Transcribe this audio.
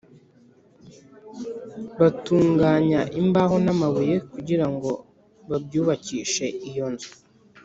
batunganya imbaho n’amabuye kugira ngo babyubakishe iyo nzu